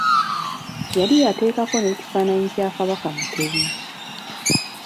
Yali yateekako n’ekifaananyi kya Kabaka Mutebi.